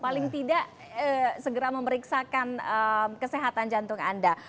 paling tidak segera memeriksakan kesehatan jantung anda